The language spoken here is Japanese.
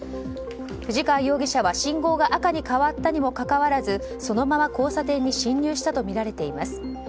藤川容疑者は信号が赤に変わったにもかかわらずそのまま交差点に進入したとみられています。